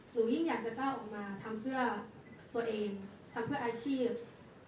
ยิ่งอยากจะก้าวออกมาทำเพื่อตัวเองทำเพื่ออาชีพ